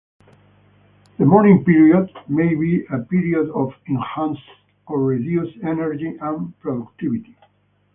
The morning period may be a period of enhanced or reduced energy and productivity.